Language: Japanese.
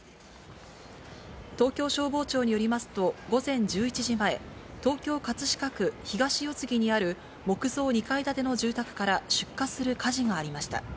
東京消防庁によりますと、午前１１時前、東京・葛飾区東四つ木にある木造２階建ての住宅から出火する火事がありました。